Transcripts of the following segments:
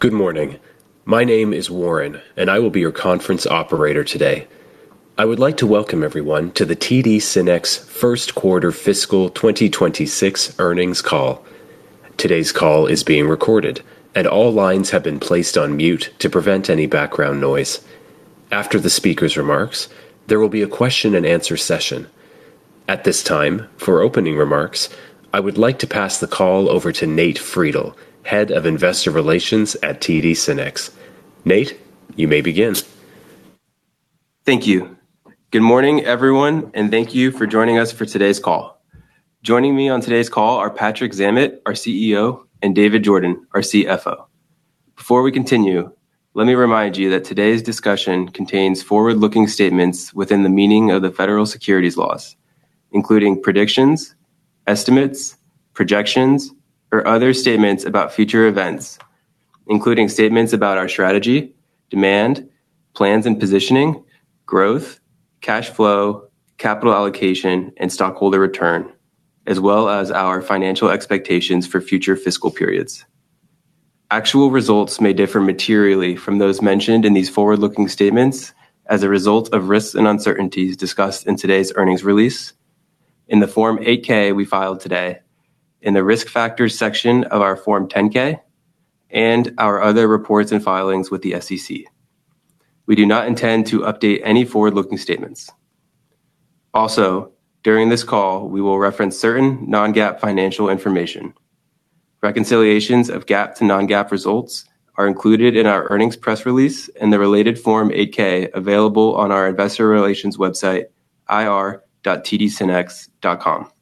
Good morning. My name is Warren, and I will be your conference operator today. I would like to welcome everyone to the TD SYNNEX First Quarter Fiscal 2026 Earnings Call. Today's call is being recorded, and all lines have been placed on mute to prevent any background noise. After the speaker's remarks, there will be a question-and-answer session. At this time, for opening remarks, I would like to pass the call over to Nate Friedel, Head of Investor Relations at TD SYNNEX. Nate, you may begin. Thank you. Good morning, everyone, and thank you for joining us for today's call. Joining me on today's call are Patrick Zammit, our CEO, and David Jordan, our CFO. Before we continue, let me remind you that today's discussion contains forward-looking statements within the meaning of the federal securities laws, including predictions, estimates, projections, or other statements about future events, including statements about our strategy, demand, plans and positioning, growth, cash flow, capital allocation, and stockholder return, as well as our financial expectations for future fiscal periods. Actual results may differ materially from those mentioned in these forward-looking statements as a result of risks and uncertainties discussed in today's earnings release, in the Form 8-K we filed today, in the Risk Factors section of our Form 10-K and our other reports and filings with the SEC. We do not intend to update any forward-looking statements. Also, during this call, we will reference certain non-GAAP financial information. Reconciliations of GAAP to non-GAAP results are included in our earnings press release and the related Form 8-K available on our investor relations website, ir.tdsynnex.com.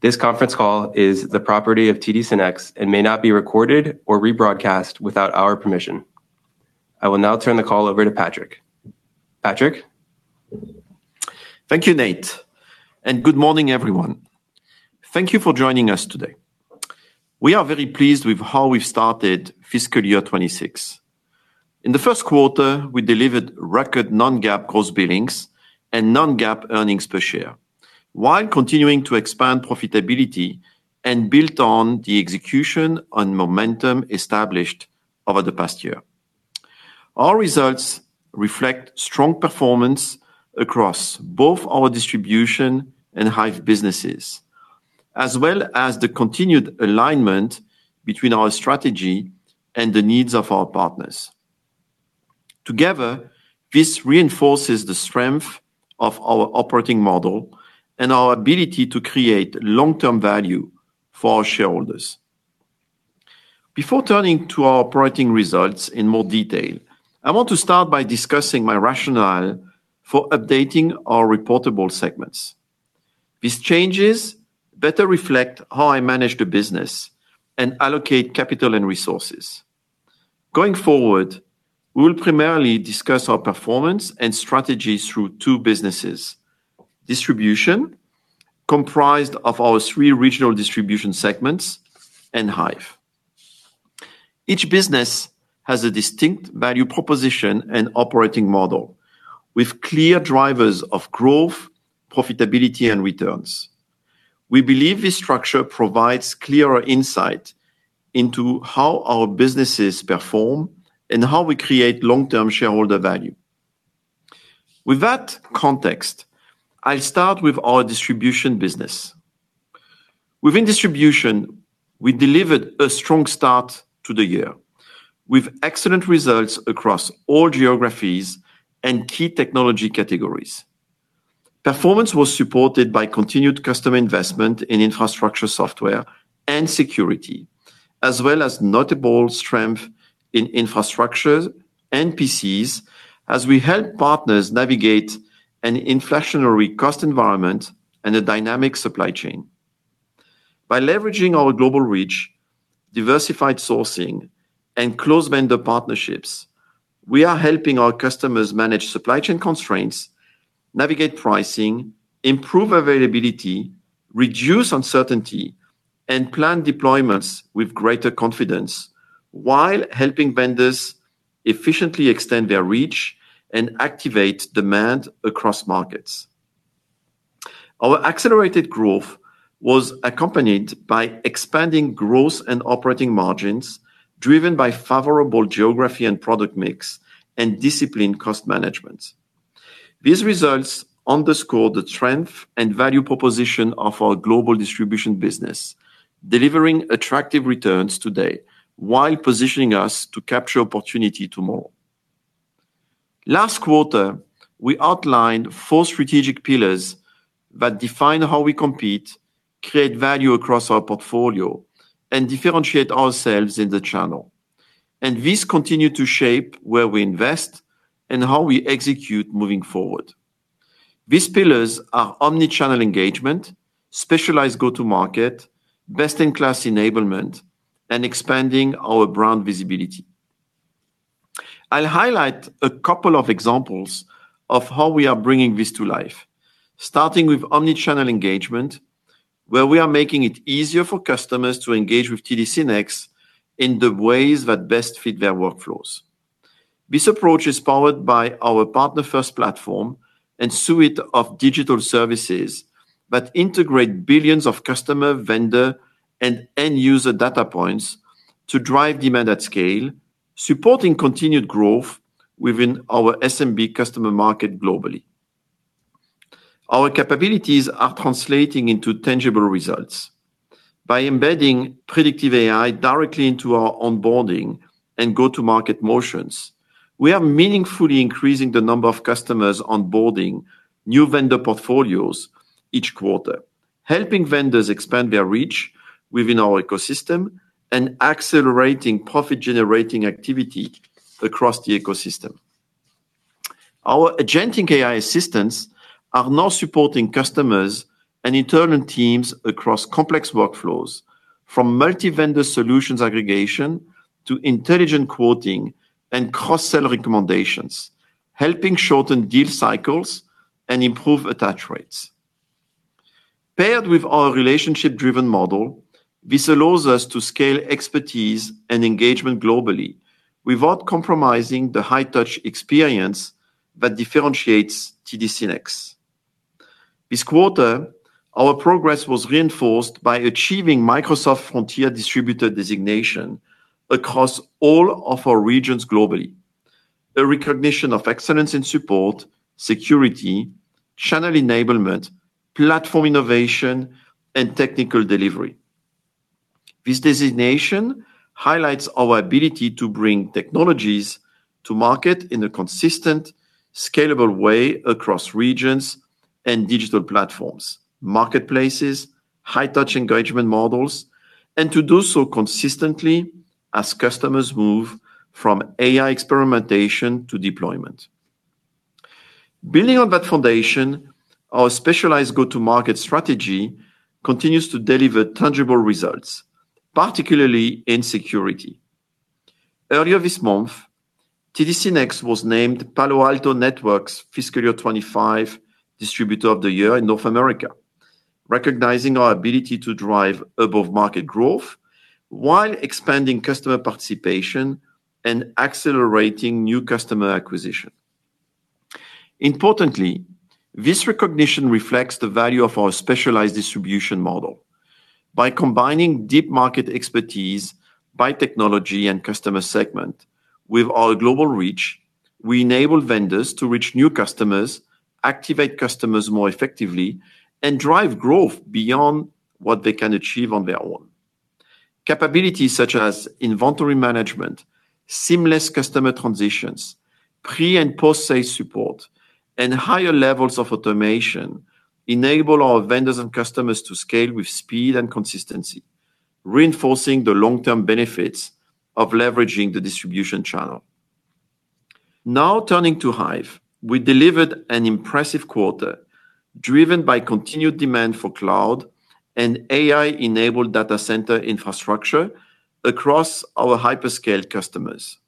This conference call is the property of TD SYNNEX and may not be recorded or rebroadcast without our permission. I will now turn the call over to Patrick. Patrick. Thank you, Nate, and good morning, everyone. Thank you for joining us today. We are very pleased with how we've started fiscal year 2026. In the first quarter, we delivered record non-GAAP gross billings and non-GAAP earnings per share while continuing to expand profitability and built on the execution and momentum established over the past year. Our results reflect strong performance across both our distribution and Hyve businesses, as well as the continued alignment between our strategy and the needs of our partners. Together, this reinforces the strength of our operating model and our ability to create long-term value for our shareholders. Before turning to our operating results in more detail, I want to start by discussing my rationale for updating our reportable segments. These changes better reflect how I manage the business and allocate capital and resources. Going forward, we will primarily discuss our performance and strategy through two businesses. Distribution, comprised of our three regional distribution segments, and Hyve. Each business has a distinct value proposition and operating model with clear drivers of growth, profitability, and returns. We believe this structure provides clearer insight into how our businesses perform and how we create long-term shareholder value. With that context, I'll start with our Distribution business. Within Distribution, we delivered a strong start to the year with excellent results across all geographies and key technology categories. Performance was supported by continued customer investment in infrastructure software and security, as well as notable strength in infrastructure and PCs as we help partners navigate an inflationary cost environment and a dynamic supply chain. By leveraging our global reach, diversified sourcing, and close vendor partnerships, we are helping our customers manage supply chain constraints, navigate pricing, improve availability, reduce uncertainty, and plan deployments with greater confidence while helping vendors efficiently extend their reach and activate demand across markets. Our accelerated growth was accompanied by expanding gross and operating margins driven by favorable geography and product mix and disciplined cost management. These results underscore the strength and value proposition of our global distribution business, delivering attractive returns today while positioning us to capture opportunity tomorrow. Last quarter, we outlined four strategic pillars that define how we compete, create value across our portfolio, and differentiate ourselves in the channel. These continue to shape where we invest and how we execute moving forward. These pillars are omnichannel engagement, specialized go-to-market, best-in-class enablement, and expanding our brand visibility. I'll highlight a couple of examples of how we are bringing this to life, starting with omnichannel engagement, where we are making it easier for customers to engage with TD SYNNEX in the ways that best fit their workflows. This approach is powered by our partner-first platform and suite of digital services that integrate billions of customer, vendor, and end user data points to drive demand at scale, supporting continued growth within our SMB customer market globally. Our capabilities are translating into tangible results. By embedding predictive AI directly into our onboarding and go-to-market motions, we are meaningfully increasing the number of customers onboarding new vendor portfolios each quarter, helping vendors expand their reach within our ecosystem and accelerating profit-generating activity across the ecosystem. Our agentic AI assistants are now supporting customers and internal teams across complex workflows, from multi-vendor solutions aggregation to intelligent quoting and cross-sell recommendations, helping shorten deal cycles and improve attach rates. Paired with our relationship-driven model, this allows us to scale expertise and engagement globally without compromising the high-touch experience that differentiates TD SYNNEX. This quarter, our progress was reinforced by achieving Microsoft Frontier Distributor designation across all of our regions globally, a recognition of excellence in support, security, channel enablement, platform innovation, and technical delivery. This designation highlights our ability to bring technologies to market in a consistent, scalable way across regions and digital platforms, marketplaces, high-touch engagement models, and to do so consistently as customers move from AI experimentation to deployment. Building on that foundation, our specialized go-to-market strategy continues to deliver tangible results, particularly in security. Earlier this month, TD SYNNEX was named Palo Alto Networks FY 2025 Distributor of the Year in North America, recognizing our ability to drive above-market growth while expanding customer participation and accelerating new customer acquisition. Importantly, this recognition reflects the value of our specialized distribution model. By combining deep market expertise by technology and customer segment with our global reach, we enable vendors to reach new customers, activate customers more effectively, and drive growth beyond what they can achieve on their own. Capabilities such as inventory management, seamless customer transitions, pre- and post-sales support, and higher levels of automation enable our vendors and customers to scale with speed and consistency, reinforcing the long-term benefits of leveraging the distribution channel. Now turning to Hyve, we delivered an impressive quarter driven by continued demand for cloud and AI-enabled data center infrastructure across our hyperscale customers.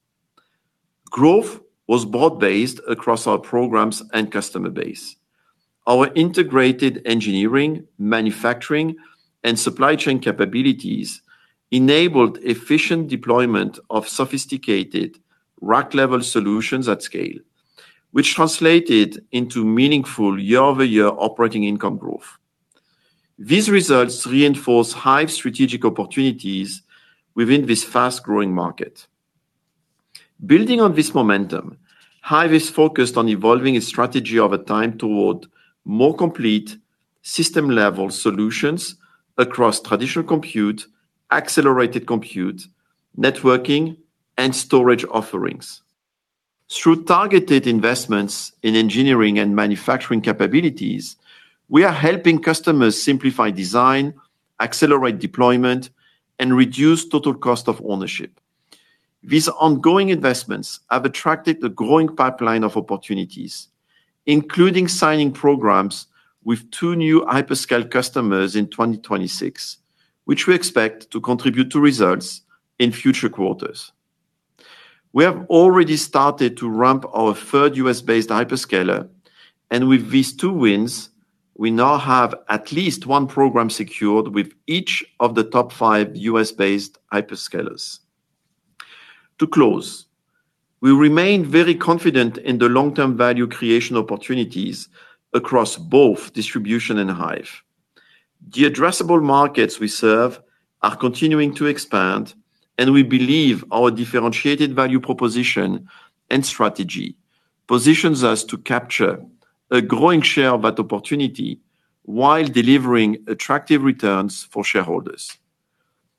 Growth was broad-based across our programs and customer base. Our integrated engineering, manufacturing, and supply chain capabilities enabled efficient deployment of sophisticated rack-level solutions at scale, which translated into meaningful year-over-year operating income growth. These results reinforce Hyve's strategic opportunities within this fast-growing market. Building on this momentum, Hyve is focused on evolving its strategy over time toward more complete system-level solutions across traditional compute, accelerated compute, networking, and storage offerings. Through targeted investments in engineering and manufacturing capabilities, we are helping customers simplify design, accelerate deployment, and reduce total cost of ownership. These ongoing investments have attracted a growing pipeline of opportunities, including signing programs with two new hyperscale customers in 2026, which we expect to contribute to results in future quarters. We have already started to ramp our third U.S.-based hyperscaler, and with these two wins, we now have at least one program secured with each of the top five U.S.-based hyperscalers. To close, we remain very confident in the long-term value creation opportunities across both Distribution and Hyve. The addressable markets we serve are continuing to expand, and we believe our differentiated value proposition and strategy positions us to capture a growing share of that opportunity while delivering attractive returns for shareholders.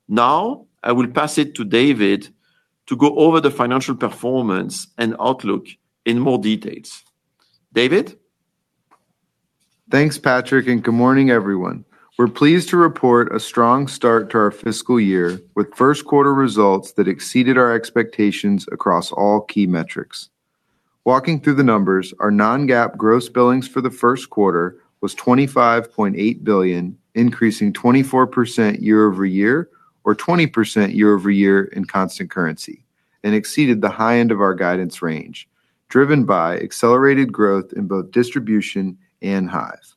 Now, I will pass it to David to go over the financial performance and outlook in more details. David? Thanks, Patrick, and good morning, everyone. We're pleased to report a strong start to our fiscal year with first quarter results that exceeded our expectations across all key metrics. Walking through the numbers, our non-GAAP gross billings for the first quarter was $25.8 billion, increasing 24% year-over-year or 20% year-over-year in constant currency and exceeded the high end of our guidance range, driven by accelerated growth in both Distribution and Hyve.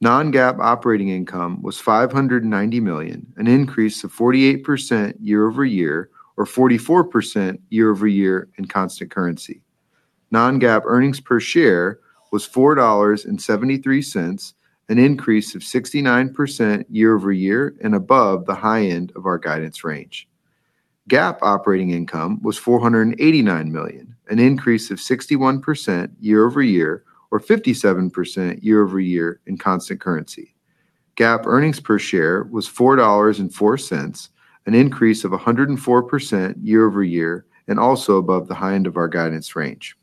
Non-GAAP operating income was $590 million, an increase of 48% year-over-year, or 44% year-over-year in constant currency. Non-GAAP earnings per share was $4.73, an increase of 69% year-over-year and above the high end of our guidance range. GAAP operating income was $489 million, an increase of 61% year-over-year, or 57% year-over-year in constant currency. GAAP earnings per share was $4.04, an increase of 104% year-over-year and also above the high end of our guidance range.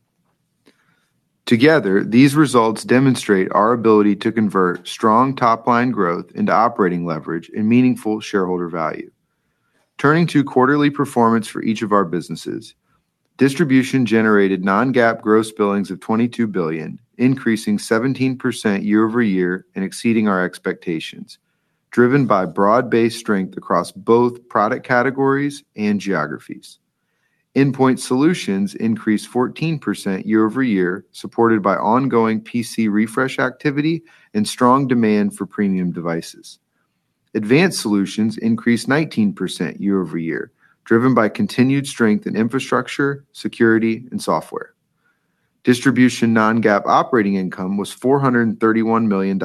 Together, these results demonstrate our ability to convert strong top-line growth into operating leverage and meaningful shareholder value. Turning to quarterly performance for each of our businesses, Distribution generated non-GAAP gross billings of $22 billion, increasing 17% year-over-year and exceeding our expectations, driven by broad-based strength across both product categories and geographies. Endpoint Solutions increased 14% year-over-year, supported by ongoing PC refresh activity and strong demand for premium devices. Advanced Solutions increased 19% year-over-year, driven by continued strength in infrastructure, security, and software. Distribution non-GAAP operating income was $431 million,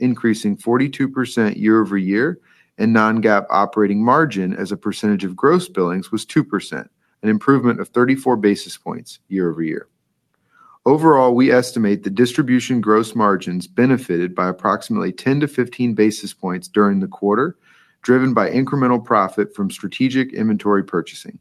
increasing 42% year-over-year, and non-GAAP operating margin as a percentage of gross billings was 2%, an improvement of 34 basis points year-over-year. Overall, we estimate the distribution gross margins benefited by approximately 10-15 basis points during the quarter, driven by incremental profit from strategic inventory purchasing.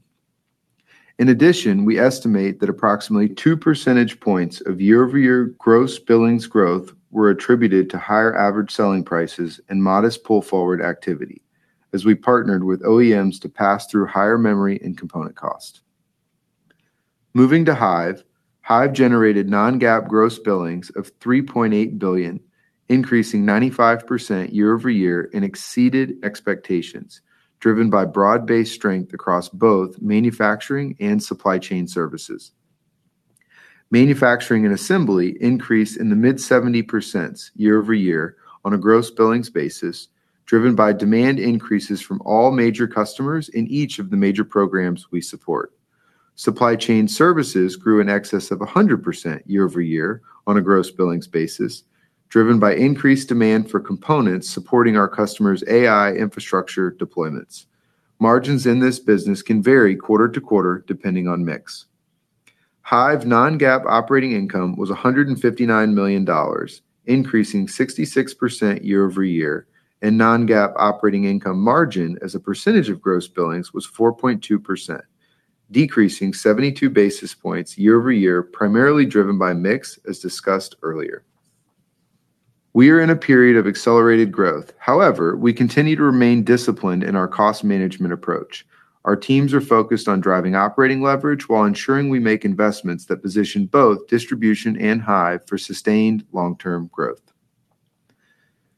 In addition, we estimate that approximately 2 percentage points of year-over-year gross billings growth were attributed to higher average selling prices and modest pull-forward activity as we partnered with OEMs to pass through higher memory and component cost. Moving to Hyve generated non-GAAP gross billings of $3.8 billion, increasing 95% year-over-year and exceeded expectations driven by broad-based strength across both manufacturing and supply chain services. Manufacturing and assembly increased in the mid-70% year-over-year on a gross billings basis, driven by demand increases from all major customers in each of the major programs we support. Supply chain services grew in excess of 100% year-over-year on a gross billings basis, driven by increased demand for components supporting our customers' AI infrastructure deployments. Margins in this business can vary quarter to quarter depending on mix. Hyve non-GAAP operating income was $159 million, increasing 66% year-over-year, and non-GAAP operating income margin as a percentage of gross billings was 4.2%, decreasing 72 basis points year-over-year, primarily driven by mix as discussed earlier. We are in a period of accelerated growth. However, we continue to remain disciplined in our cost management approach. Our teams are focused on driving operating leverage while ensuring we make investments that position both distribution and Hyve for sustained long-term growth.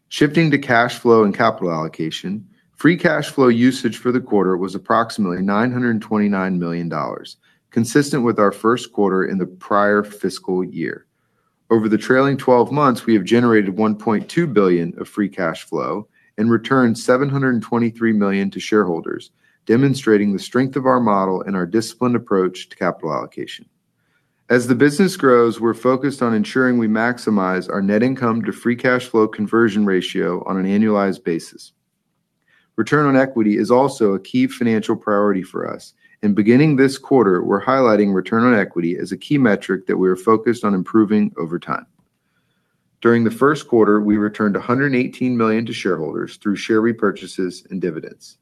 Shifting to cash flow and capital allocation, free cash flow usage for the quarter was approximately $929 million, consistent with our first quarter in the prior fiscal year. Over the trailing twelve months, we have generated $1.2 billion of free cash flow and returned $723 million to shareholders, demonstrating the strength of our model and our disciplined approach to capital allocation. As the business grows, we're focused on ensuring we maximize our net income to free cash flow conversion ratio on an annualized basis. Return on equity is also a key financial priority for us. Beginning this quarter, we're highlighting return on equity as a key metric that we are focused on improving over time. During the first quarter, we returned $118 million to shareholders through share repurchases and dividends.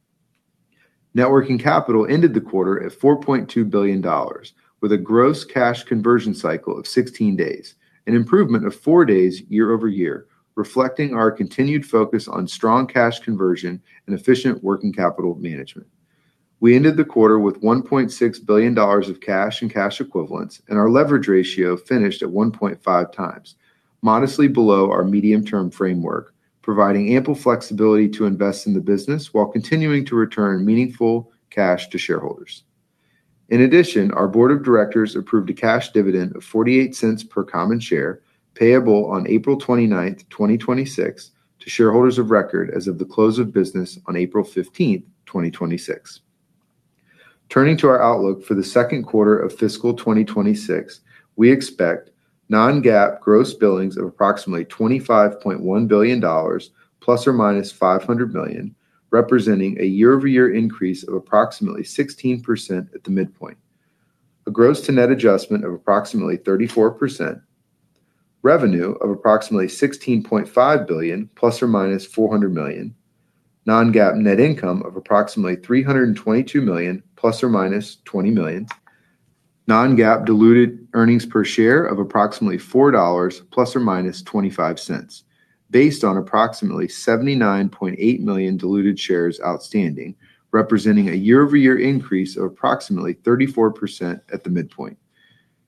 Net working capital ended the quarter at $4.2 billion with a gross cash conversion cycle of 16 days, an improvement of four days year-over-year, reflecting our continued focus on strong cash conversion and efficient working capital management. We ended the quarter with $1.6 billion of cash and cash equivalents, and our leverage ratio finished at 1.5x, modestly below our medium-term framework, providing ample flexibility to invest in the business while continuing to return meaningful cash to shareholders. In addition, our board of directors approved a cash dividend of $0.48 per common share, payable on April 29th, 2026 to shareholders of record as of the close of business on April 15th, 2026. Turning to our outlook for the second quarter of fiscal 2026, we expect non-GAAP gross billings of approximately $25.1 billion ± $500 million, representing a year-over-year increase of approximately 16% at the midpoint. A gross to net adjustment of approximately 34%, revenue of approximately $16.5 billion ± $400 million, non-GAAP net income of approximately $322 million ± $20 million, non-GAAP diluted earnings per share of approximately $4 ± $0.25 based on approximately 79.8 million diluted shares outstanding, representing a year-over-year increase of approximately 34% at the midpoint.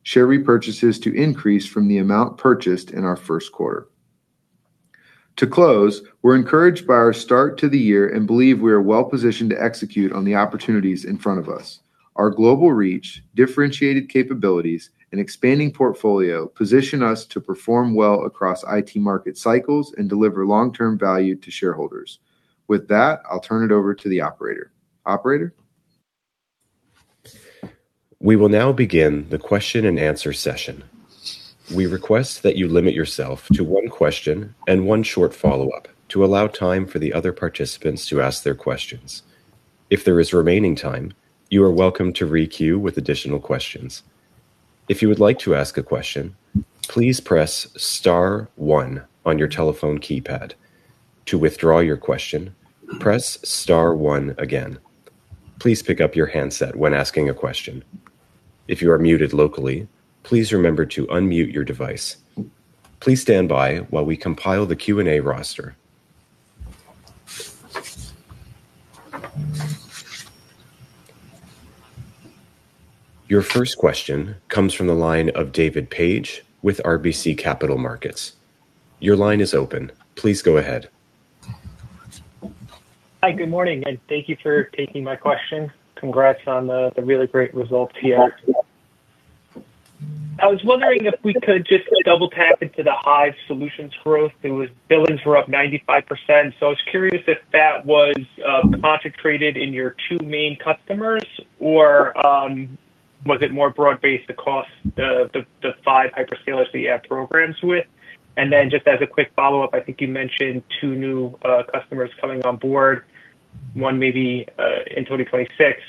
Share repurchases to increase from the amount purchased in our first quarter. To close, we're encouraged by our start to the year and believe we are well positioned to execute on the opportunities in front of us. Our global reach, differentiated capabilities, and expanding portfolio position us to perform well across IT market cycles and deliver long-term value to shareholders. With that, I'll turn it over to the operator. Operator? We will now begin the question-and-answer session. We request that you limit yourself to one question and one short follow-up to allow time for the other participants to ask their questions. If there is remaining time, you are welcome to re-queue with additional questions. If you would like to ask a question, please press star one on your telephone keypad. To withdraw your question, press star one again. Please pick up your handset when asking a question. If you are muted locally, please remember to unmute your device. Please stand by while we compile the Q&A roster. Your first question comes from the line of David Paige with RBC Capital Markets. Your line is open. Please go ahead. Hi. Good morning, and thank you for taking my question. Congrats on the really great results here. I was wondering if we could just double tap into the Hyve Solutions growth. Billings were up 95%. I was curious if that was concentrated in your two main customers or was it more broad-based across the five hyperscalers that you have programs with? Then just as a quick follow-up, I think you mentioned two new customers coming on board, one maybe in 2026.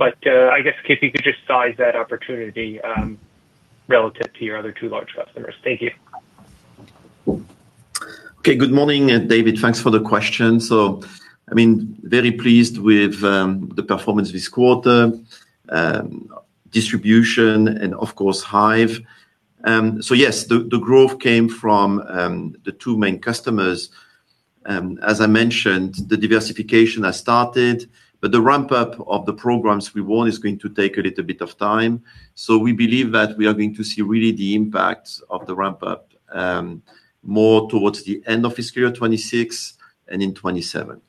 I guess if you could just size that opportunity relative to your other two large customers. Thank you. Okay. Good morning, David. Thanks for the question. I mean, very pleased with the performance this quarter, distribution, and of course Hyve. Yes, the growth came from the two main customers. As I mentioned, the diversification has started, but the ramp-up of the programs we won is going to take a little bit of time. We believe that we are going to see really the impact of the ramp up more towards the end of fiscal year 2026 and in 2027.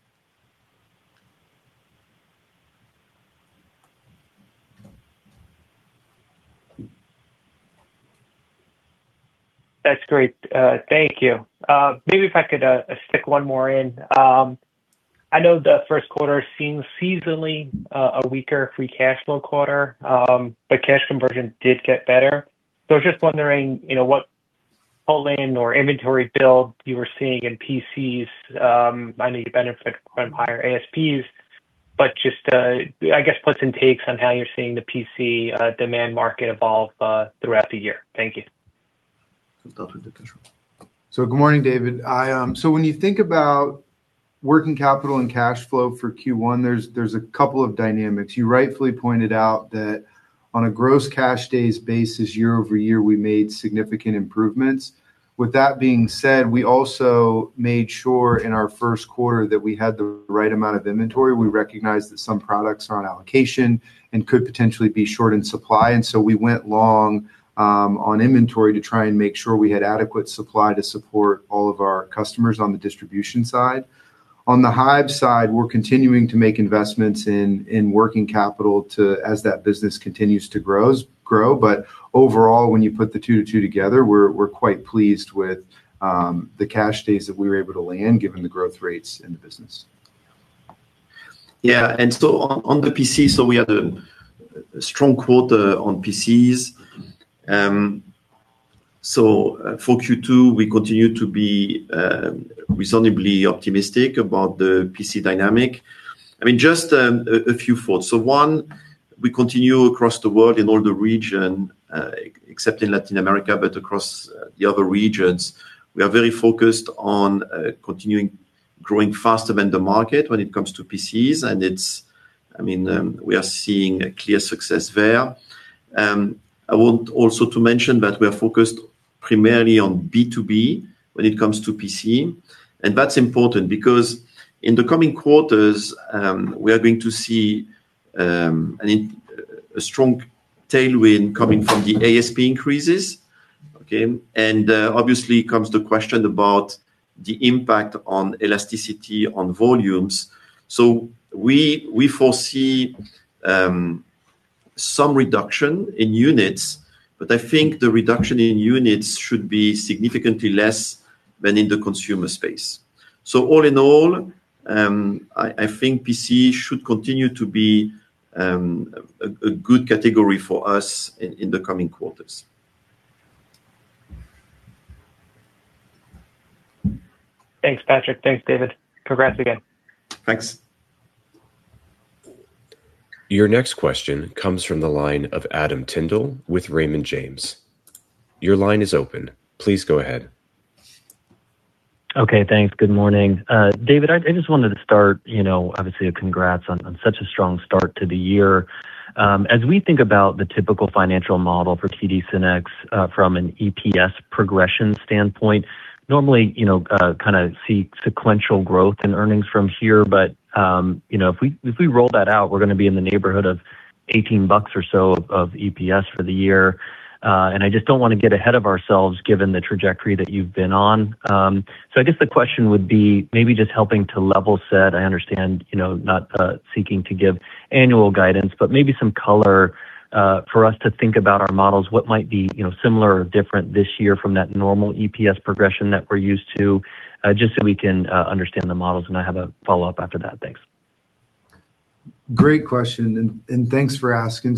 That's great. Thank you. Maybe if I could stick one more in. I know the first quarter seems seasonally a weaker free cash flow quarter, but cash conversion did get better. I was just wondering, you know, what pull in or inventory build you were seeing in PCs. I know you benefit from higher ASPs, but just I guess puts and takes on how you're seeing the PC demand market evolve throughout the year. Thank you. Good morning, David. When you think about working capital and cash flow for Q1, there's a couple of dynamics. You rightfully pointed out that on a gross cash days basis, year-over-year, we made significant improvements. With that being said, we also made sure in our first quarter that we had the right amount of inventory. We recognized that some products are on allocation and could potentially be short in supply. We went long on inventory to try and make sure we had adequate supply to support all of our customers on the distribution side. On the Hyve side, we're continuing to make investments in working capital as that business continues to grow. Overall, when you put the two together, we're quite pleased with the cash days that we were able to land given the growth rates in the business. Yeah. On the PC, we had a strong quarter on PCs. For Q2, we continue to be reasonably optimistic about the PC dynamic. I mean, just a few thoughts. One, we continue across the world in all the regions except in Latin America, but across the other regions, we are very focused on continuing to grow faster than the market when it comes to PCs. We are seeing a clear success there. I want also to mention that we are focused primarily on B2B when it comes to PC, and that's important because in the coming quarters, we are going to see a strong tailwind coming from the ASP increases. Okay. Obviously comes the question about the impact on elasticity on volumes. We foresee some reduction in units, but I think the reduction in units should be significantly less than in the consumer space. All in all, I think PC should continue to be a good category for us in the coming quarters. Thanks, Patrick. Thanks, David. Congrats again. Thanks. Your next question comes from the line of Adam Tindle with Raymond James. Your line is open. Please go ahead. Okay, thanks. Good morning. David, I just wanted to start, you know, obviously a congrats on such a strong start to the year. As we think about the typical financial model for TD SYNNEX, from an EPS progression standpoint, normally, you know, kinda see sequential growth in earnings from here. You know, if we roll that out, we're gonna be in the neighborhood of $18 or so of EPS for the year. I just don't wanna get ahead of ourselves given the trajectory that you've been on. I guess the question would be maybe just helping to level set. I understand, you know, not seeking to give annual guidance, but maybe some color for us to think about our models, what might be, you know, similar or different this year from that normal EPS progression that we're used to, just so we can understand the models. I have a follow-up after that. Thanks. Great question. Thanks for asking.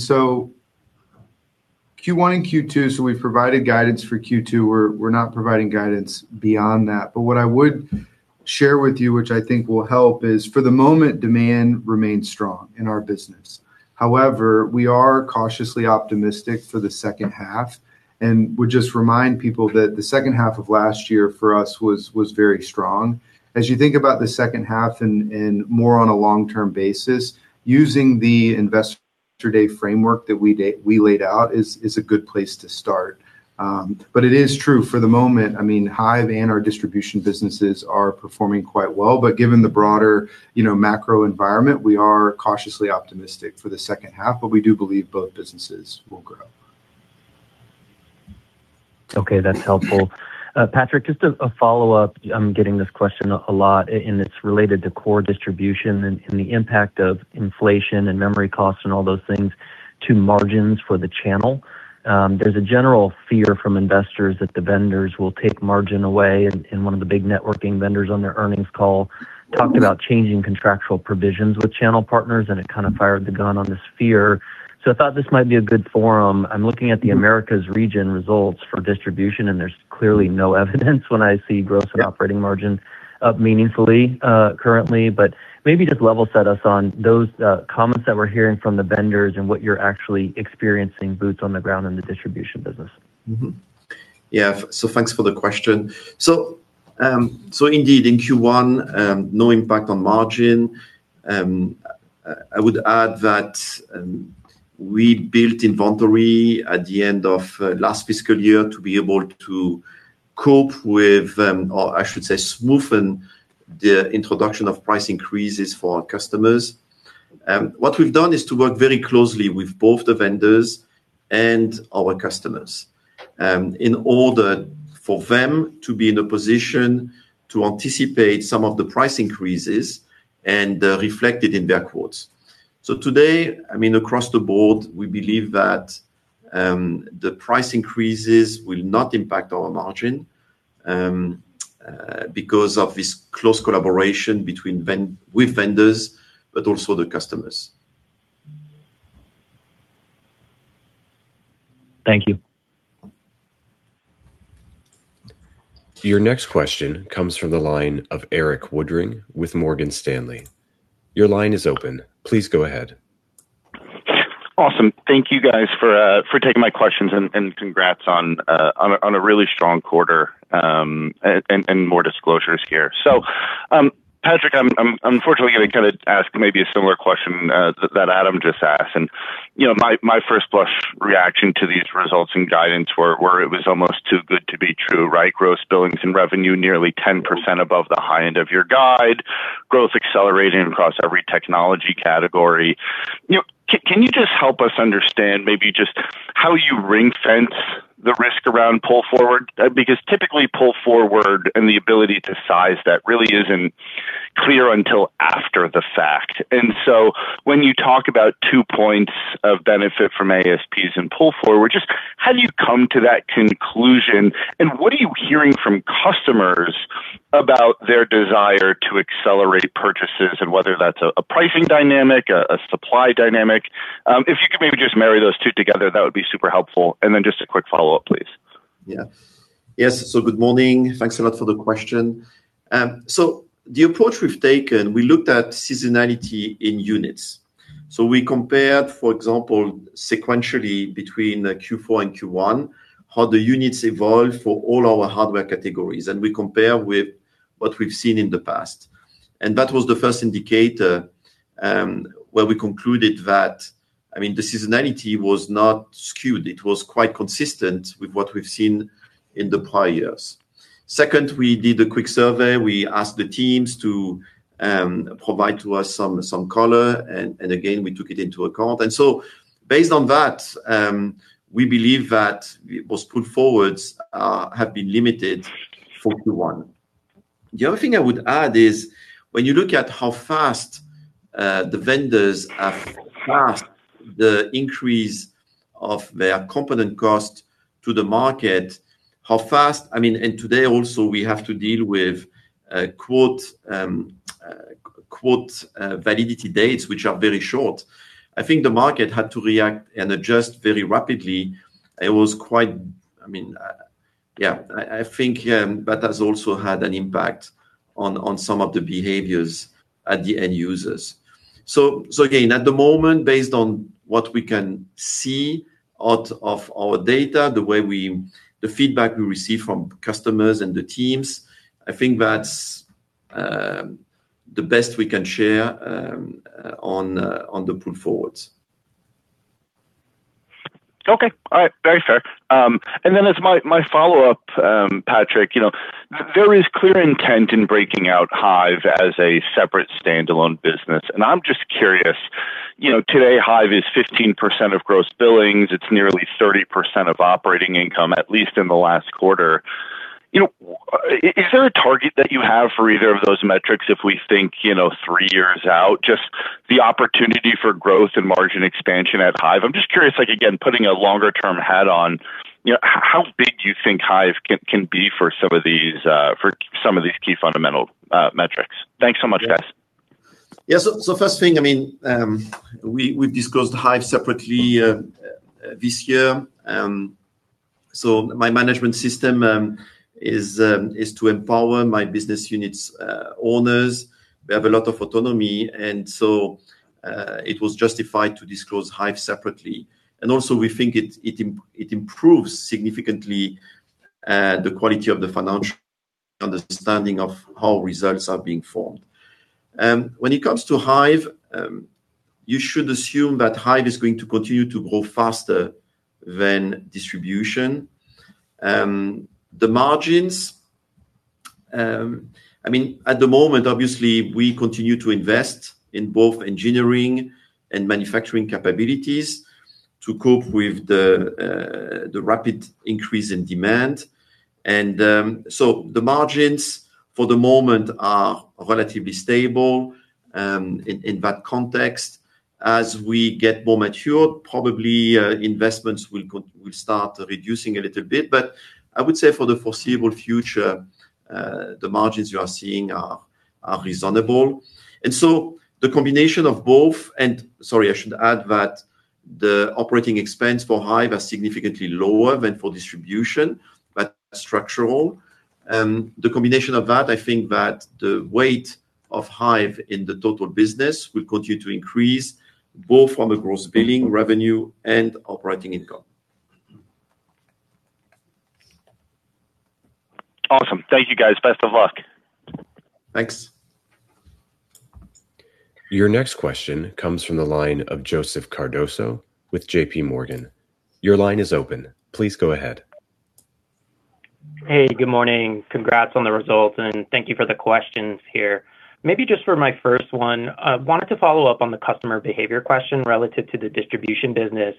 Q1 and Q2, we've provided guidance for Q2. We're not providing guidance beyond that. What I would share with you, which I think will help, is for the moment, demand remains strong in our business. However, we are cautiously optimistic for the second half and would just remind people that the second half of last year for us was very strong. As you think about the second half and more on a long-term basis, using the Investor Day framework that we laid out is a good place to start. It is true for the moment, I mean, Hyve and our Distribution businesses are performing quite well, but given the broader, you know, macro environment, we are cautiously optimistic for the second half, but we do believe both businesses will grow. Okay. That's helpful. Patrick, just a follow-up. I'm getting this question a lot and it's related to core distribution and the impact of inflation and memory costs and all those things to margins for the channel. There's a general fear from investors that the vendors will take margin away, and one of the big networking vendors on their earnings call talked about changing contractual provisions with channel partners, and it kind of fired the gun on this fear. So I thought this might be a good forum. I'm looking at the Americas region results for distribution, and there's clearly no evidence when I see gross and operating margin up meaningfully, currently. Maybe just level set us on those comments that we're hearing from the vendors and what you're actually experiencing boots on the ground in the Distribution business. Thanks for the question. Indeed, in Q1, no impact on margin. I would add that we built inventory at the end of last fiscal year to be able to cope with, or I should say, smoothen the introduction of price increases for our customers. What we've done is to work very closely with both the vendors and our customers in order for them to be in a position to anticipate some of the price increases and reflect it in their quotes. Today, I mean, across the board, we believe that the price increases will not impact our margin because of this close collaboration with vendors but also the customers. Thank you. Your next question comes from the line of Erik Woodring with Morgan Stanley. Your line is open. Please go ahead. Awesome. Thank you guys for taking my questions and congrats on a really strong quarter and more disclosures here. Patrick, I'm unfortunately gonna kinda ask maybe a similar question that Adam just asked. You know, my first blush reaction to these results and guidance were it was almost too good to be true, right? Gross billings and revenue nearly 10% above the high end of your guide. Growth accelerating across every technology category. You know, can you just help us understand maybe just how you ring-fence the risk around pull forward? Because typically pull forward and the ability to size that really isn't clear until after the fact. When you talk about two points of benefit from ASPs and pull forward, just how do you come to that conclusion? What are you hearing from customers about their desire to accelerate purchases and whether that's a pricing dynamic, a supply dynamic? If you could maybe just marry those two together, that would be super helpful. Then just a quick follow-up, please. Good morning. Thanks a lot for the question. The approach we've taken, we looked at seasonality in units. We compared, for example, sequentially between Q4 and Q1, how the units evolve for all our hardware categories, and we compare with what we've seen in the past. That was the first indicator, where we concluded that the seasonality was not skewed. It was quite consistent with what we've seen in the prior years. Second, we did a quick survey. We asked the teams to provide to us some color and again, we took it into account. Based on that, we believe that those pull forwards have been limited for Q1. The other thing I would add is when you look at how fast the vendors have passed the increase of their component cost to the market, how fast—I mean, and today also we have to deal with quote validity dates, which are very short. I think the market had to react and adjust very rapidly. It was quite—I mean, yeah, I think that has also had an impact on some of the behaviors at the end users. Again, at the moment, based on what we can see out of our data, the feedback we receive from customers and the teams, I think that's the best we can share on the pull forwards. Okay. All right. Very fair. And then as my follow-up, Patrick, you know, there is clear intent in breaking out Hyve as a separate standalone business, and I'm just curious, you know, today Hyve is 15% of gross billings. It's nearly 30% of operating income, at least in the last quarter. You know, is there a target that you have for either of those metrics if we think, you know, three years out, just the opportunity for growth and margin expansion at Hyve? I'm just curious, like, again, putting a longer term hat on, you know, how big do you think Hyve can be for some of these key fundamental metrics? Thanks so much, guys. Yeah. So first thing, I mean, we discussed Hyve separately this year. My management system is to empower my business units owners. We have a lot of autonomy, and so it was justified to disclose Hyve separately. Also we think it improves significantly the quality of the financial understanding of how results are being formed. When it comes to Hyve, you should assume that Hyve is going to continue to grow faster than distribution. The margins, I mean, at the moment, obviously we continue to invest in both engineering and manufacturing capabilities to cope with the rapid increase in demand. The margins for the moment are relatively stable in that context. As we get more mature, probably, investments will start reducing a little bit. I would say for the foreseeable future, the margins you are seeing are reasonable. The combination of both. Sorry, I should add that the operating expense for Hyve are significantly lower than for distribution, but structural. The combination of that, I think that the weight of Hyve in the total business will continue to increase both on the gross billing revenue and operating income. Awesome. Thank you, guys. Best of luck. Thanks. Your next question comes from the line of Joseph Cardoso with JPMorgan. Your line is open. Please go ahead. Hey, good morning. Congrats on the results, and thank you for the questions here. Maybe just for my first one, I wanted to follow up on the customer behavior question relative to the distribution business,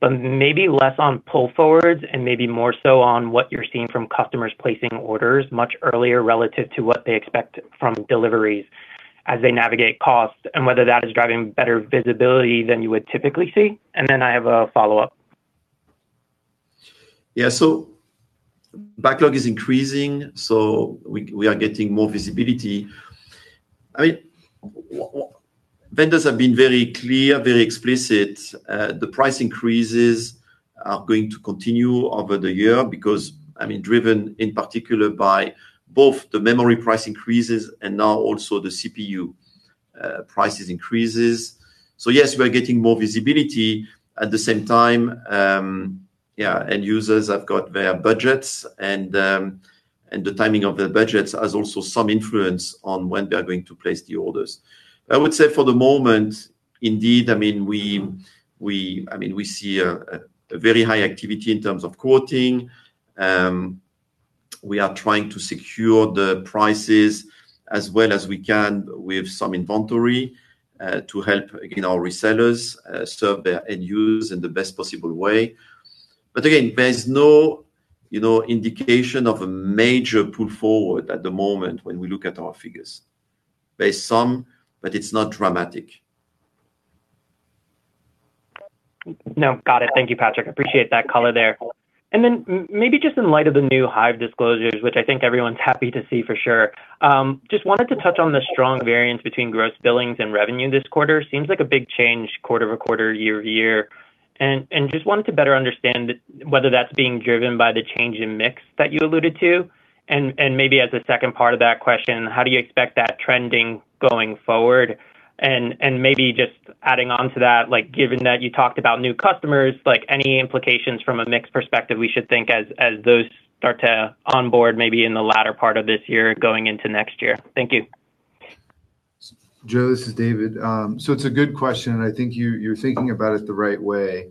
but maybe less on pull forwards and maybe more so on what you're seeing from customers placing orders much earlier relative to what they expect from deliveries as they navigate costs and whether that is driving better visibility than you would typically see. I have a follow-up. Backlog is increasing, so we are getting more visibility. I mean, vendors have been very clear, very explicit. The price increases are going to continue over the year because, I mean, driven in particular by both the memory price increases and now also the CPU price increases. Yes, we are getting more visibility. At the same time, end users have got their budgets and the timing of their budgets has also some influence on when they are going to place the orders. I would say for the moment, indeed, I mean, we see a very high activity in terms of quoting. We are trying to secure the prices as well as we can with some inventory to help, again, our resellers serve their end users in the best possible way. Again, there's no, you know, indication of a major pull forward at the moment when we look at our figures. There's some, but it's not dramatic. No. Got it. Thank you, Patrick. Appreciate that color there. Then maybe just in light of the new Hyve disclosures, which I think everyone's happy to see for sure, just wanted to touch on the strong variance between gross billings and revenue this quarter. Seems like a big change quarter-over-quarter, year-over-year. Just wanted to better understand whether that's being driven by the change in mix that you alluded to. Maybe as a second part of that question, how do you expect that trending going forward? Maybe just adding on to that, like given that you talked about new customers, like any implications from a mix perspective we should think as those start to onboard maybe in the latter part of this year going into next year? Thank you. Joe, this is David. It's a good question, and I think you're thinking about it the right way.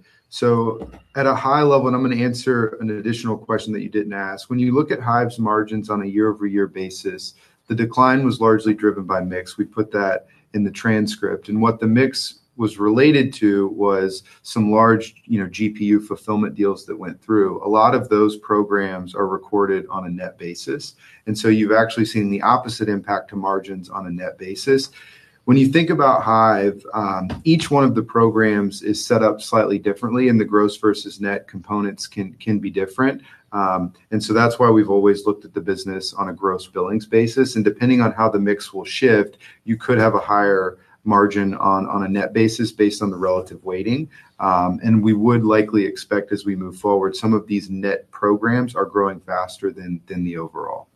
At a high level, I'm gonna answer an additional question that you didn't ask. When you look at Hyve's margins on a year-over-year basis, the decline was largely driven by mix. We put that in the transcript. What the mix was related to was some large, you know, GPU fulfillment deals that went through. A lot of those programs are recorded on a net basis, and so you've actually seen the opposite impact to margins on a net basis. When you think about Hyve, each one of the programs is set up slightly differently, and the gross versus net components can be different. That's why we've always looked at the business on a gross billings basis. Depending on how the mix will shift, you could have a higher margin on a net basis based on the relative weighting. We would likely expect as we move forward, some of these net programs are growing faster than the overall.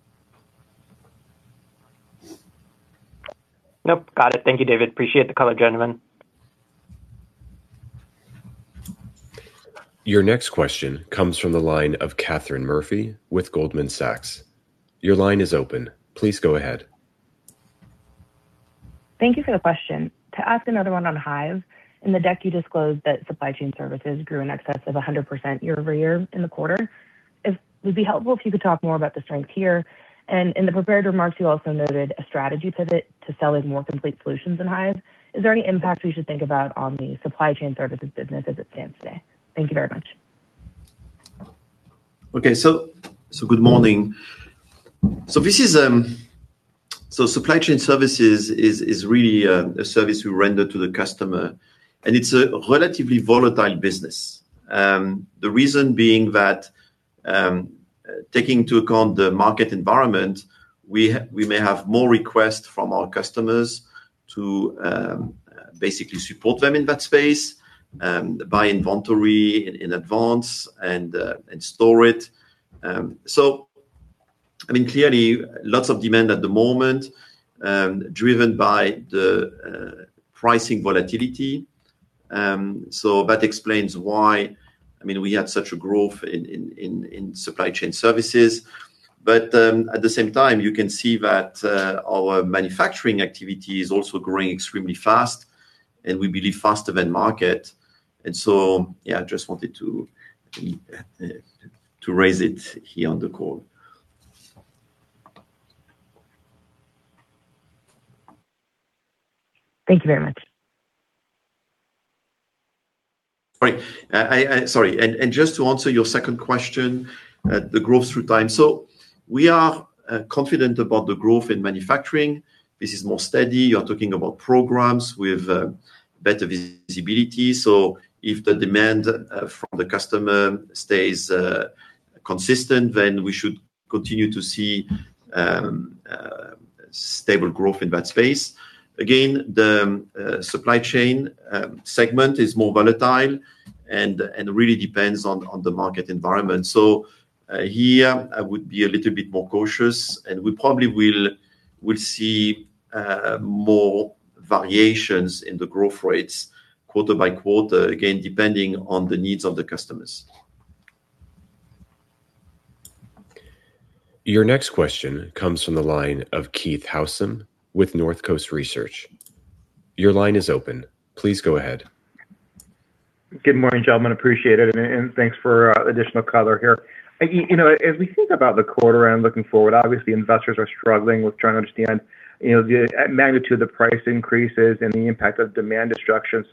Nope. Got it. Thank you, David. Appreciate the color, gentlemen. Your next question comes from the line of Katherine Murphy with Goldman Sachs. Your line is open. Please go ahead. Thank you for the question. To ask another one on Hyve, in the deck you disclosed that supply chain services grew in excess of 100% year-over-year in the quarter. Would it be helpful if you could talk more about the strength here? In the prepared remarks, you also noted a strategy pivot to selling more complete solutions in Hyve. Is there any impact we should think about on the supply chain services business as it stands today? Thank you very much. Good morning. This is supply chain services is really a service we render to the customer, and it's a relatively volatile business. The reason being that, taking into account the market environment, we may have more requests from our customers to basically support them in that space, buy inventory in advance and store it. I mean, clearly lots of demand at the moment, driven by the pricing volatility. That explains why, I mean, we had such a growth in supply chain services. At the same time, you can see that our manufacturing activity is also growing extremely fast and we believe faster than market. Yeah, I just wanted to raise it here on the call. Thank you very much. Right. Sorry. Just to answer your second question, the growth through time. We are confident about the growth in manufacturing. This is more steady. You're talking about programs with better visibility. If the demand from the customer stays consistent, then we should continue to see stable growth in that space. Again, the supply chain segment is more volatile and really depends on the market environment. Here I would be a little bit more cautious, and we probably will see more variations in the growth rates quarter by quarter, again, depending on the needs of the customers. Your next question comes from the line of Keith Housum with Northcoast Research. Your line is open. Please go ahead. Good morning, gentlemen. Appreciate it, and thanks for additional color here. You know, as we think about the quarter and looking forward, obviously investors are struggling with trying to understand, you know, the magnitude of the price increases and the impact of demand destruction.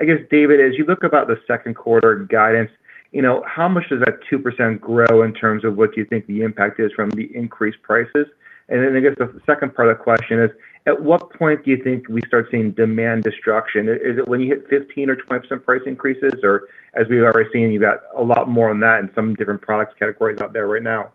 I guess, David, as you look about the second quarter guidance, you know, how much does that 2% grow in terms of what you think the impact is from the increased prices? And then I guess the second part of the question is, at what point do you think we start seeing demand destruction? Is it when you hit 15% or 20% price increases, or as we've already seen, you've got a lot more on that in some different product categories out there right now.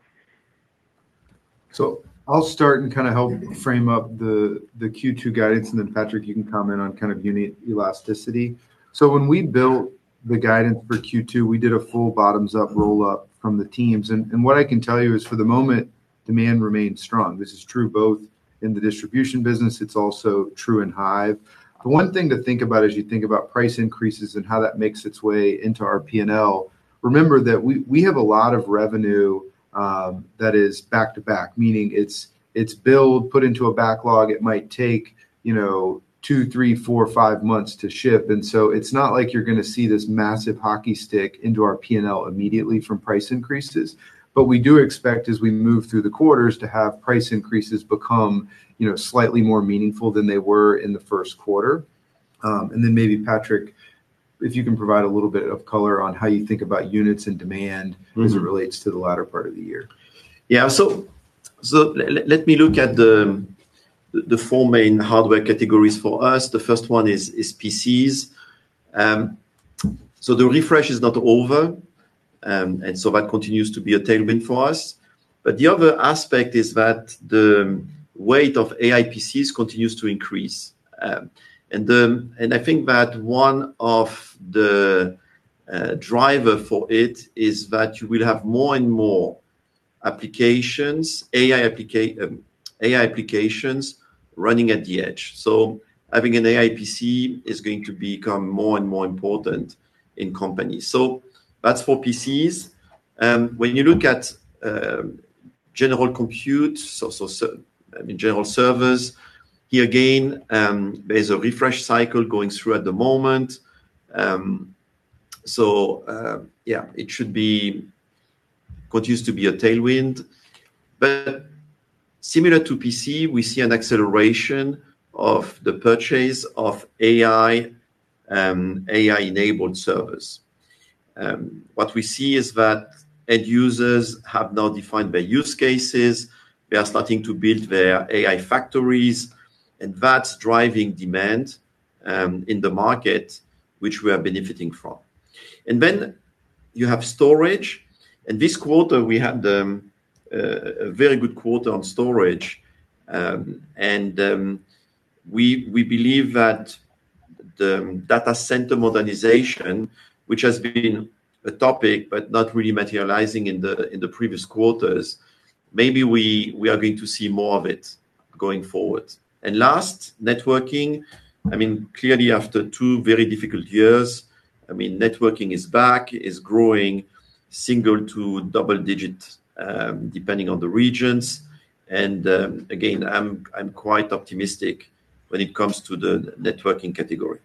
I'll start and help frame up the Q2 guidance, and then Patrick, you can comment on unit elasticity. When we built the guidance for Q2, we did a full bottoms-up roll-up from the teams. What I can tell you is for the moment, demand remains strong. This is true both in the distribution business. It's also true in Hyve. The one thing to think about as you think about price increases and how that makes its way into our P&L, remember that we have a lot of revenue that is back-to-back, meaning it's billed, put into a backlog. It might take, you know, two, three, four, five months to ship. It's not like you're gonna see this massive hockey stick into our P&L immediately from price increases. We do expect as we move through the quarters to have price increases become, you know, slightly more meaningful than they were in the first quarter. Maybe Patrick, if you can provide a little bit of color on how you think about units and demand as it relates to the latter part of the year. Let me look at the four main hardware categories for us. The first one is PCs. The refresh is not over, and that continues to be a tailwind for us. The other aspect is that the weight of AI PCs continues to increase. I think that one of the driver for it is that you will have more and more applications, AI applications running at the edge. Having an AI PC is going to become more and more important in companies. That's for PCs. When you look at general servers, here again, there's a refresh cycle going through at the moment. It continues to be a tailwind. Similar to PC, we see an acceleration of the purchase of AI-enabled servers. What we see is that end users have now defined their use cases. They are starting to build their AI factories, and that's driving demand in the market, which we are benefiting from. Then you have storage. This quarter, we had a very good quarter on storage. We believe that the data center modernization, which has been a topic but not really materializing in the previous quarters, maybe we are going to see more of it going forward. Last, networking. I mean, clearly after two very difficult years, I mean, networking is back. It's growing single- to double-digit, depending on the regions. Again, I'm quite optimistic when it comes to the networking category.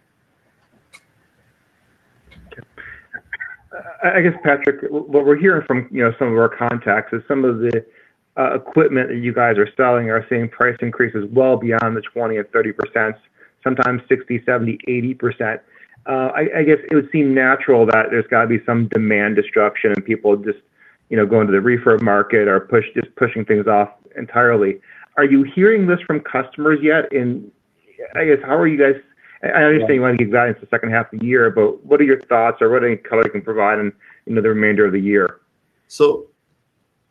I guess, Patrick, what we're hearing from, you know, some of our contacts is some of the equipment that you guys are selling are seeing price increases well beyond the 20% or 30%, sometimes 60%, 70%, 80%. I guess it would seem natural that there's gotta be some demand destruction and people just, you know, going to the refurb market or just pushing things off entirely. Are you hearing this from customers yet? I guess, how are you guys? I understand you wanna give guidance for the second half of the year, but what are your thoughts or what any color you can provide in the remainder of the year?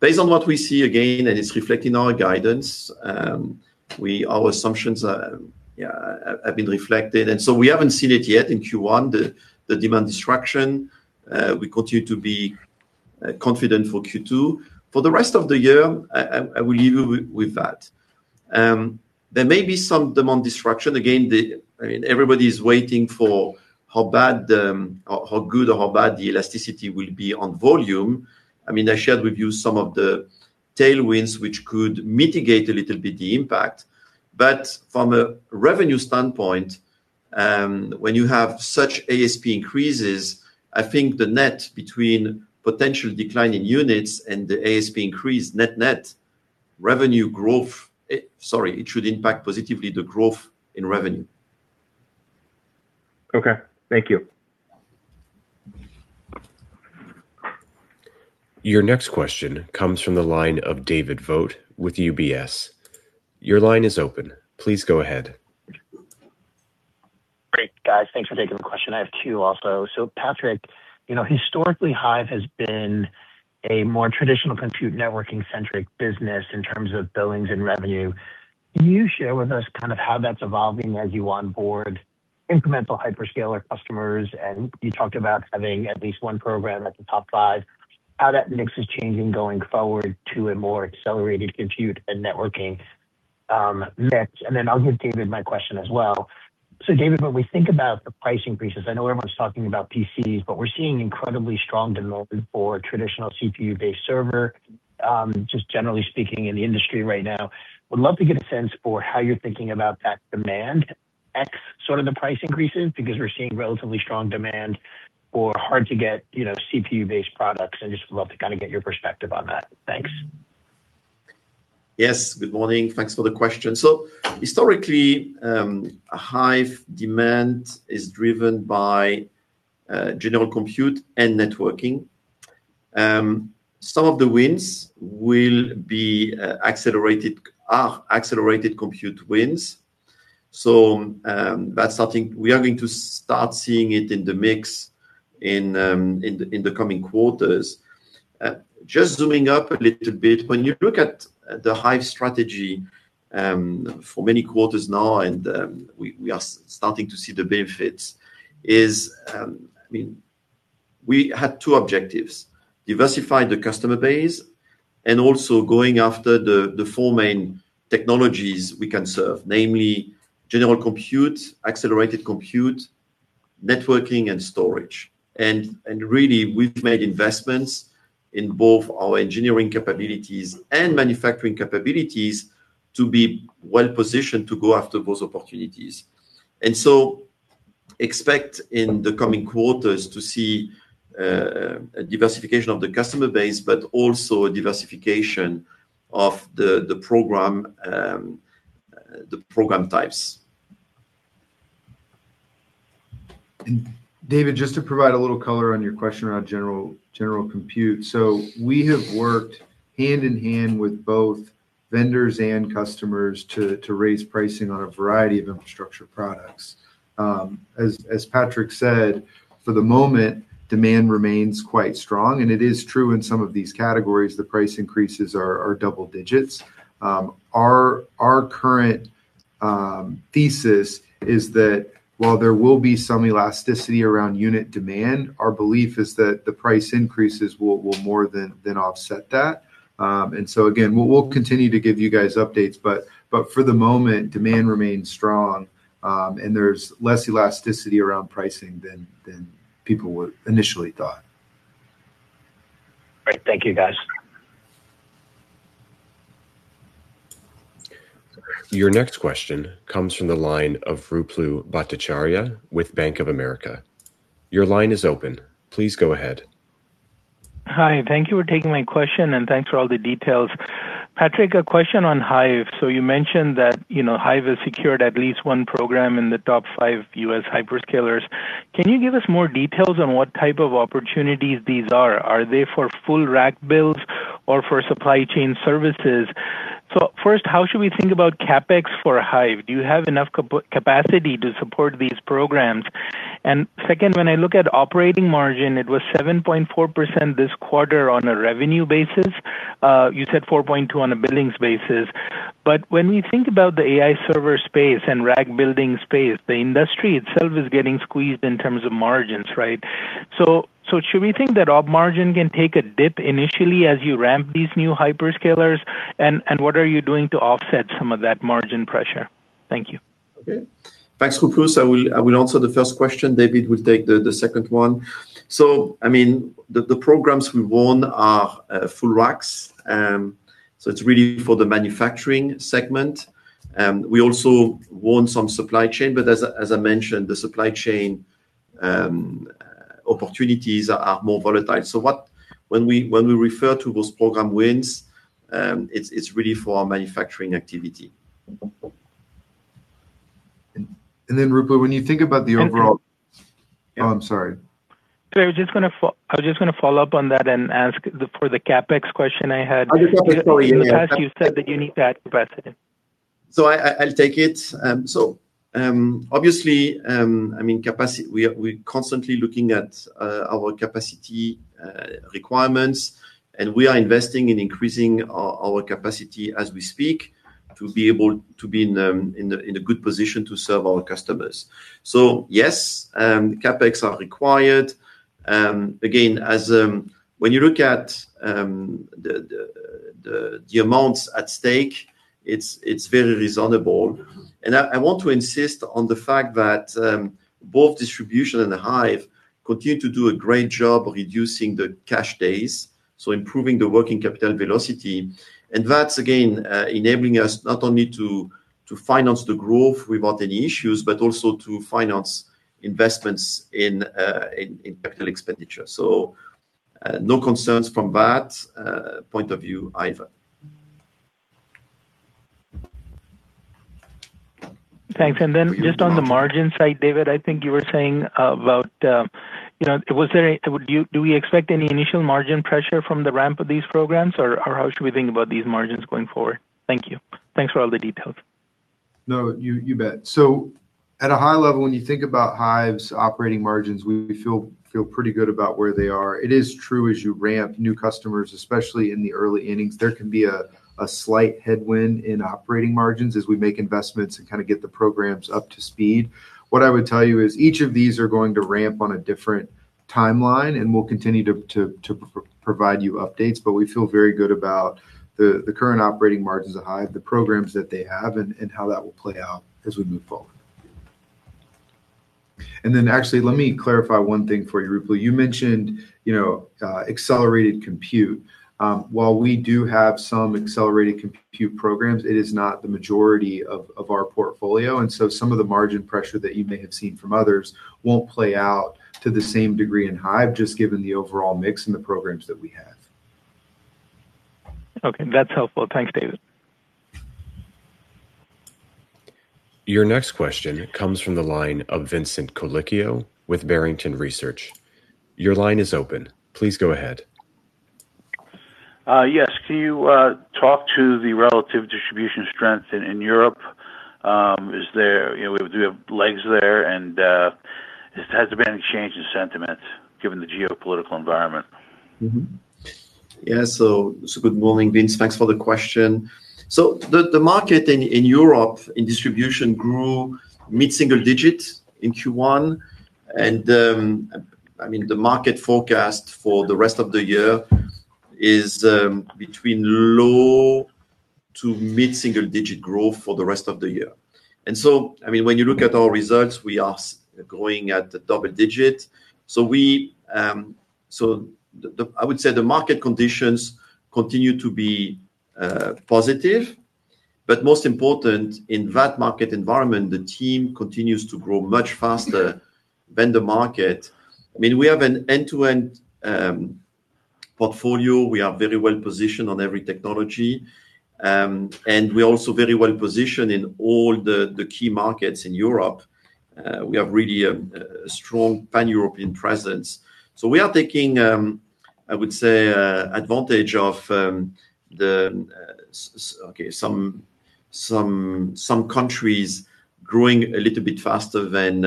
Based on what we see, again, and it's reflecting our guidance, our assumptions have been reflected, and we haven't seen it yet in Q1, the demand destruction. We continue to be confident for Q2. For the rest of the year, I will leave you with that. There may be some demand destruction. Again, I mean, everybody's waiting for how bad or how good or how bad the elasticity will be on volume. I mean, I shared with you some of the tailwinds which could mitigate a little bit the impact. But from a revenue standpoint, when you have such ASP increases, I think the net between potential decline in units and the ASP increase net revenue growth, sorry, it should impact positively the growth in revenue. Okay. Thank you. Your next question comes from the line of David Vogt with UBS. Your line is open. Please go ahead. Great, guys. Thanks for taking the question. I have two also. Patrick, you know, historically, Hyve has been a more traditional compute networking-centric business in terms of billings and revenue. Can you share with us kind of how that's evolving as you onboard incremental hyperscaler customers, and you talked about having at least one program at the top five, how that mix is changing going forward to a more accelerated compute and networking mix? Then I'll give David my question as well. David, when we think about the price increases, I know everyone's talking about PCs, but we're seeing incredibly strong demand for traditional CPU-based server, just generally speaking in the industry right now. Would love to get a sense for how you're thinking about that demand ex sort of the price increases because we're seeing relatively strong demand for hard to get, you know, CPU-based products, and just would love to kinda get your perspective on that? Thanks. Yes, good morning. Thanks for the question. Historically, Hyve demand is driven by general compute and networking. Some of the wins will be accelerated compute wins. That's something we are going to start seeing it in the mix in the coming quarters. Just zooming up a little bit, when you look at the Hyve strategy, for many quarters now, we are starting to see the benefits. I mean, we had two objectives, diversify the customer base and also going after the four main technologies we can serve, namely general compute, accelerated compute, networking, and storage. Really, we've made investments in both our engineering capabilities and manufacturing capabilities to be well-positioned to go after those opportunities. Expect in the coming quarters to see a diversification of the customer base, but also a diversification of the program types. David, just to provide a little color on your question around general compute. We have worked hand in hand with both vendors and customers to raise pricing on a variety of infrastructure products. As Patrick said, for the moment, demand remains quite strong, and it is true in some of these categories the price increases are double digits. Our current thesis is that while there will be some elasticity around unit demand, our belief is that the price increases will more than offset that. Again, we'll continue to give you guys updates, but for the moment, demand remains strong, and there's less elasticity around pricing than people would initially thought. Great. Thank you, guys. Your next question comes from the line of Ruplu Bhattacharya with Bank of America. Your line is open. Please go ahead. Hi. Thank you for taking my question, and thanks for all the details. Patrick, a question on Hyve. You mentioned that, you know, Hyve has secured at least one program in the top five U.S. hyperscalers. Can you give us more details on what type of opportunities these are? Are they for full rack builds or for supply chain services? First, how should we think about CapEx for Hyve? Do you have enough capacity to support these programs? Second, when I look at operating margin, it was 7.4% this quarter on a revenue basis, you said 4.2% on a billings basis. But when we think about the AI server space and rack building space, the industry itself is getting squeezed in terms of margins, right? Should we think that op margin can take a dip initially as you ramp these new hyperscalers, and what are you doing to offset some of that margin pressure? Thank you. Okay. Thanks, Ruplu. I will answer the first question. David will take the second one. I mean, the programs we won are full racks, so it's really for the manufacturing segment. We also won some supply chain, but as I mentioned, the supply chain opportunities are more volatile. When we refer to those program wins, it's really for our manufacturing activity. Ruplu, when you think about the overall— Okay. Oh, I'm sorry. I was just gonna follow up on that and ask for the CapEx question I had. Oh, yes. Sorry. Yeah, yeah. In the past, you said that you need to add capacity. I'll take it. Obviously, I mean, we're constantly looking at our capacity requirements, and we're investing in increasing our capacity as we speak to be able to be in a good position to serve our customers. Yes, CapEx are required. Again, when you look at the amounts at stake, it's very reasonable. I want to insist on the fact that both distribution and Hive continue to do a great job of reducing the cash days, so improving the working capital velocity. That's again enabling us not only to finance the growth without any issues, but also to finance investments in capital expenditure. No concerns from that point of view either. Thanks. Then just on the margin side, David, I think you were saying about, you know, do you, do we expect any initial margin pressure from the ramp of these programs? Or how should we think about these margins going forward? Thank you. Thanks for all the details. No, you bet. At a high level, when you think about Hyve's operating margins, we feel pretty good about where they are. It is true as you ramp new customers, especially in the early innings, there can be a slight headwind in operating margins as we make investments and kinda get the programs up to speed. What I would tell you is each of these are going to ramp on a different timeline, and we'll continue to provide you updates, but we feel very good about the current operating margins at Hyve, the programs that they have and how that will play out as we move forward. Then actually, let me clarify one thing for you, Ruplu. You mentioned, you know, accelerated compute. While we do have some accelerated compute programs, it is not the majority of our portfolio, and so some of the margin pressure that you may have seen from others won't play out to the same degree in Hyve, just given the overall mix in the programs that we have. Okay, that's helpful. Thanks, David. Your next question comes from the line of Vincent Colicchio with Barrington Research. Your line is open. Please go ahead. Yes. Can you talk to the relative distribution strength in Europe? You know, we do have legs there and has there been any change in sentiment given the geopolitical environment? Good morning, Vince. Thanks for the question. The market in Europe in distribution grew mid-single-digit in Q1. I mean, the market forecast for the rest of the year is between low- to mid-single-digit growth for the rest of the year. I mean, when you look at our results, we are growing at double-digit. I would say the market conditions continue to be positive, but most important, in that market environment, the team continues to grow much faster than the market. I mean, we have an end-to-end portfolio. We are very well positioned on every technology. We're also very well positioned in all the key markets in Europe. We have really a strong Pan-European presence. We are taking, I would say, advantage of some countries growing a little bit faster than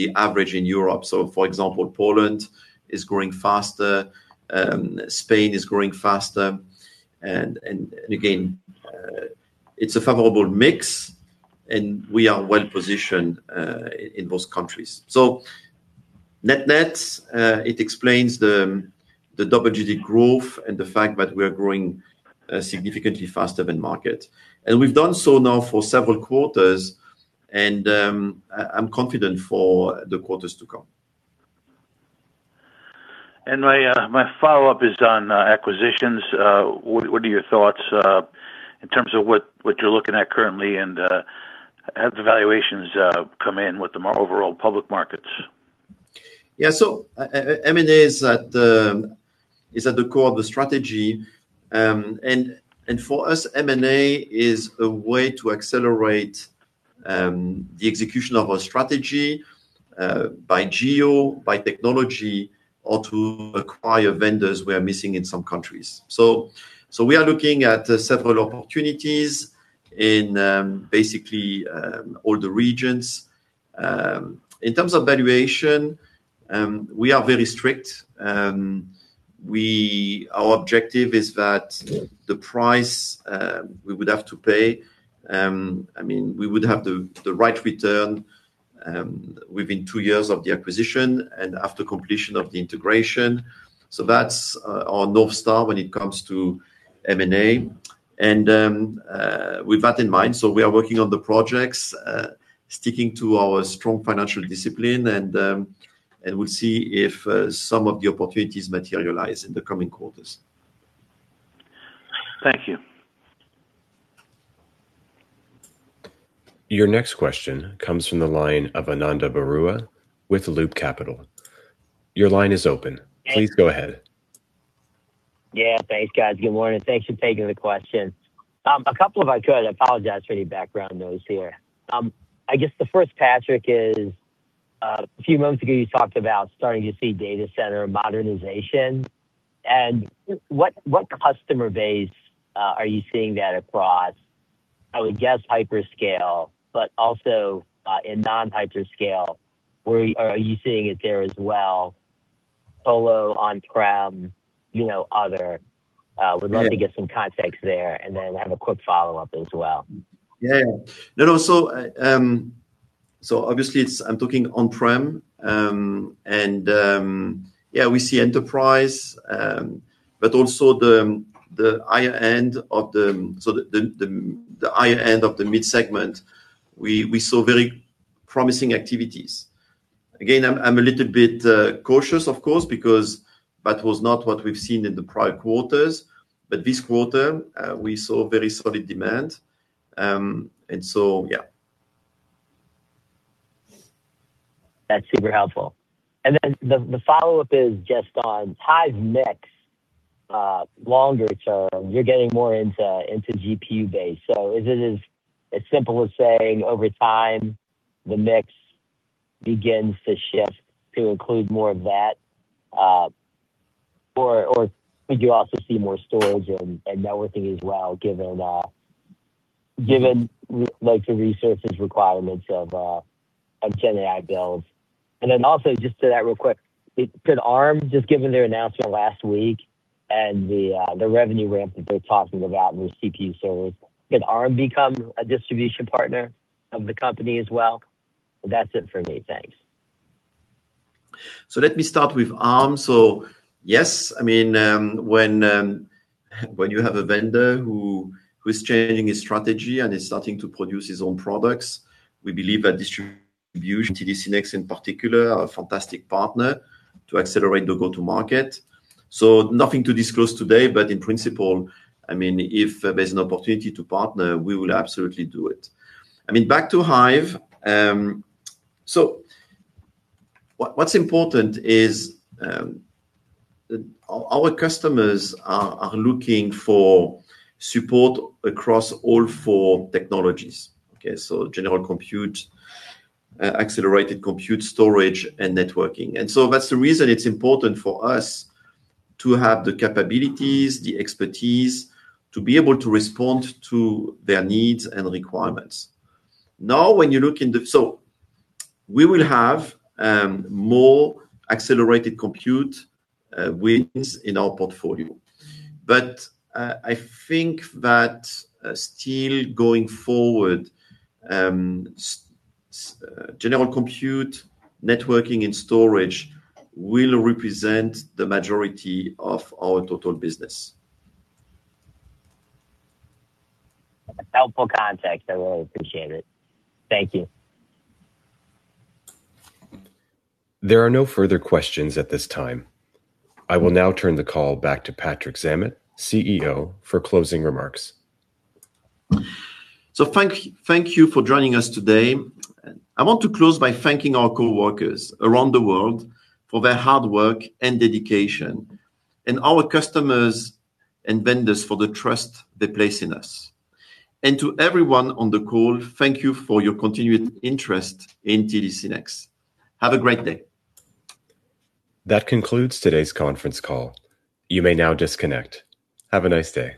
the average in Europe. For example, Poland is growing faster, Spain is growing faster. Again, it's a favorable mix, and we are well positioned in those countries. Net-net, it explains the double-digit growth and the fact that we are growing significantly faster than market. We've done so now for several quarters, and I'm confident for the quarters to come. My follow-up is on acquisitions. What are your thoughts in terms of what you're looking at currently and have the valuations come in with the overall public markets? Yeah. M&A is at the core of the strategy. For us, M&A is a way to accelerate the execution of our strategy by geo, by technology, or to acquire vendors we are missing in some countries. We are looking at several opportunities in basically all the regions. In terms of valuation, we are very strict. Our objective is that the price we would have to pay, I mean, we would have the right return within two years of the acquisition and after completion of the integration. That's our North Star when it comes to M&A. With that in mind, so we are working on the projects, sticking to our strong financial discipline and we'll see if some of the opportunities materialize in the coming quarters. Thank you. Your next question comes from the line of Ananda Baruah with Loop Capital. Your line is open. Please go ahead. Yeah, thanks, guys. Good morning. Thanks for taking the questions. A couple if I could. I apologize for any background noise here. I guess the first, Patrick, is a few moments ago, you talked about starting to see data center modernization, and what customer base are you seeing that across? I would guess hyperscale, but also in non-hyperscale, where are you seeing it there as well, solo, on-prem, you know, other? Would love to get some context there, and then I have a quick follow-up as well. Yeah. No. Obviously, I'm talking on-prem, and yeah, we see enterprise, but also the higher end of the mid segment. We saw very promising activities. Again, I'm a little bit cautious, of course, because that was not what we've seen in the prior quarters. This quarter, we saw very solid demand. Yeah. That's super helpful. Then the follow-up is just on Hyve's mix longer term. You're getting more into GPU base. Is it as simple as saying over time the mix begins to shift to include more of that, or could you also see more storage and networking as well, given like the resource requirements of GenAI builds? Then also just to that, real quick, could Arm, just given their announcement last week and the revenue ramp that they're talking about with CPU servers, could Arm become a distribution partner of the company as well? That's it for me. Thanks. Let me start with Arm. Yes, I mean, when you have a vendor who's changing his strategy and is starting to produce his own products, we believe that distribution, TD SYNNEX in particular, is a fantastic partner to accelerate the go-to-market. Nothing to disclose today, but in principle, I mean, if there's an opportunity to partner, we will absolutely do it. I mean, back to Hyve. What's important is, our customers are looking for support across all four technologies. General compute, accelerated compute, storage, and networking. That's the reason it's important for us to have the capabilities, the expertise to be able to respond to their needs and requirements. Now, when you look in the, we will have more accelerated compute wins in our portfolio. I think that still going forward general compute, networking, and storage will represent the majority of our total business. Helpful context. I really appreciate it. Thank you. There are no further questions at this time. I will now turn the call back to Patrick Zammit, CEO, for closing remarks. Thank you for joining us today. I want to close by thanking our coworkers around the world for their hard work and dedication, and our customers and vendors for the trust they place in us. To everyone on the call, thank you for your continued interest in TD SYNNEX. Have a great day. That concludes today's conference call. You may now disconnect. Have a nice day.